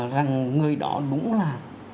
rằng người đó đúng là